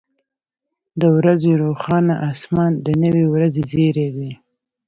• د ورځې روښانه اسمان د نوې ورځې زیری دی.